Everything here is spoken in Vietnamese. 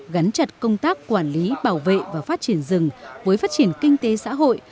gắn chặt công tác quản lý bảo vệ và phát triển rừng với phát triển kinh tế xã hội